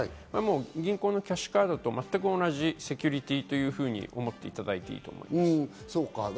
銀行のキャッシュカードと全く同じセキュリティーというふうに思っていただいていいと思います。